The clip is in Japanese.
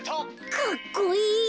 かっこいい！